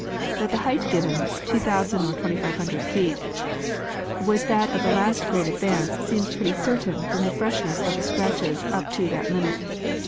That the height given, 2,000 or 2,500 feet was that of the last great advance seems pretty certain from the freshness of the scratches up to that limit.